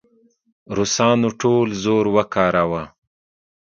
روسانو ټول زور وکاراوه.